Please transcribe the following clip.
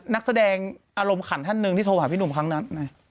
นักแสดงอารมณ์ขันท่านหนึ่งที่โทรหาพี่หนุ่มครั้งนั้น